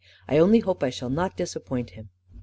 I only hope I shall not disappoint him."